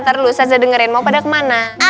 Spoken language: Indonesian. tarlu ustazah dengerin mau pada kemana